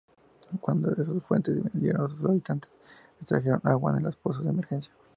Cuando esas fuentes disminuyeron los habitantes extrajeron agua de los pozos de emergencia.